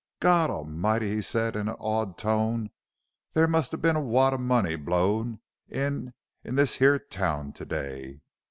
"Gawd A'mighty!" he said in an awed tone; "there must have been a wad of money blowed in in this here town to day!